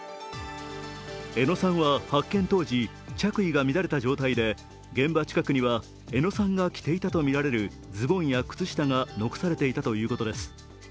江野さんは発見当時着衣が乱れた状態で現場近くには江野さんが着ていたとみられるズボンや靴下が残されていたということです。